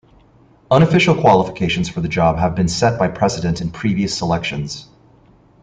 Unofficial qualifications for the job have been set by precedent in previous selections.